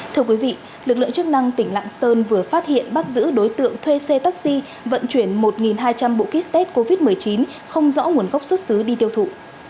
thưa quý vị lực lượng chức năng tỉnh lạng sơn vừa phát hiện bắt giữ đối tượng thuê xe taxi vận chuyển một hai trăm linh bộ kit test covid một mươi chín không rõ nguồn gốc xuất xứ đi tiêu thụ